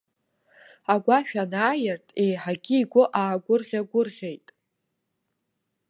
Агәашә анааирт, еиҳагьы игәы аагәырӷьагәырӷьеит.